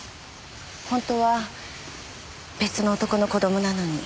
本当は別の男の子供なのに。